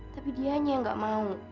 tapi dianya yang gak mau